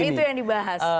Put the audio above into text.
karena itu yang dibahas